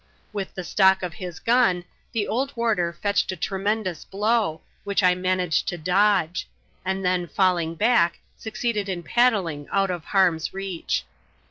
With the stock of his gun, the old warder fetched a tremendous blow, which I ma naged to dodge ; and then, falling back, succeeded in paddling out of harm's reach.